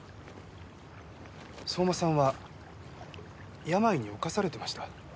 相馬さんは病に侵されてました。